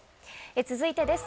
続いてです。